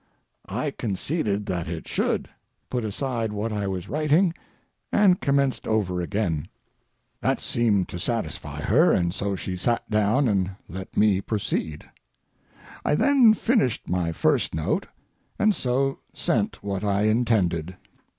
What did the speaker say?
I conceded that it should, put aside what I was writing, and commenced over again. That seemed to satisfy her, and so she sat down and let me proceed. I then—finished my first note—and so sent what I intended.